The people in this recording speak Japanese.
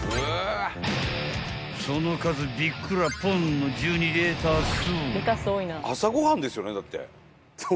［その数びっくらぽんの１２レタス］